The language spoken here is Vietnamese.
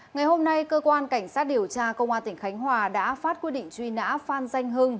ngày hôm nay cơ quan cảnh sát điều tra công an tỉnh khánh hòa đã phát quyết định truy nã phan danh hưng